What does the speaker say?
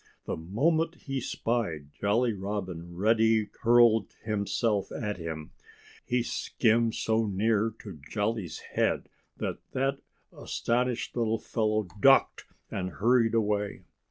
The moment he spied Jolly Robin Reddy hurled himself at him. He skimmed so near to Jolly's head that that astonished little fellow ducked and hurried away.